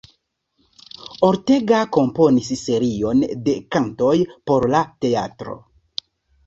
Ortega komponis serion de kantoj por la teatro.